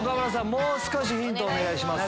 もう少しヒントをお願いします。